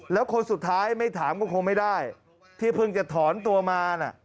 แล้วคนสุดท้ายไม่ถามก็คงไม่ได้ที่เพิ่งจะถอนตัวมาน่ะ